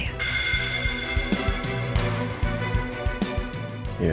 ya dia suami saya